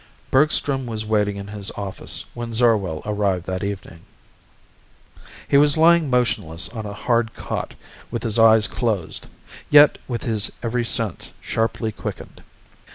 Bergstrom was waiting in his office when Zarwell arrived that evening. He was lying motionless on a hard cot, with his eyes closed, yet with his every sense sharply quickened.